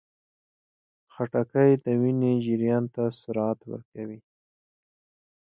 خټکی د وینې جریان ته سرعت ورکوي.